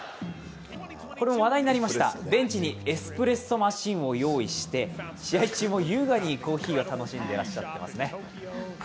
これも話題になりました、ベンチにエスプレッソマシンを用意して試合中も優雅にコーヒーを楽しんでいらっしゃっていますね。